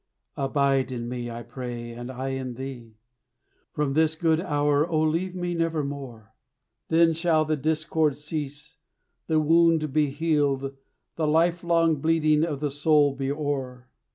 Abide in me, I pray, and I in thee; From this good hour, O, leave me nevermore; Then shall the discord cease, the wound be healed, The lifelong bleeding of the soul be o'er.